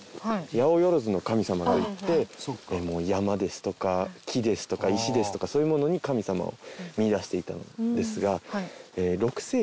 八百万の神様といって山ですとか木ですとか石ですとかそういうものに神様を見いだしていたんですが。